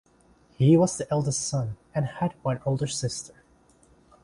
He was the eldest son and had one older sister.